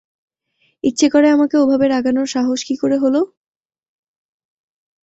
ইচ্ছে করে আমাকে ওভাবে রাগানোর সাহস কী করে হলো?